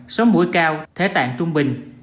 sóng mũi cao thế tạng trung bình